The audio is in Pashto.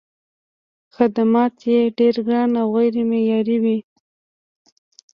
خدمات یې ډېر ګران او غیر معیاري وي.